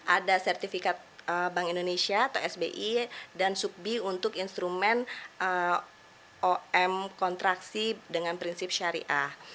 ada sertifikat bank indonesia atau sbi dan subbi untuk instrumen om kontraksi dengan prinsip syariah